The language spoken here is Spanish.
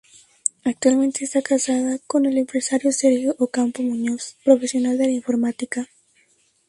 Actualmente esta casada con el empresario Sergio Ocampo Muñoz, profesional de la informática.